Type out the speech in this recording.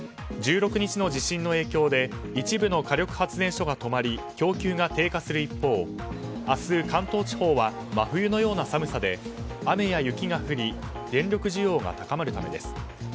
１６日の地震の影響で一部の火力発電所が止まり供給が低下する一方明日、関東地方は真冬のような寒さで雨や雪が降り電力需要が高まるためです。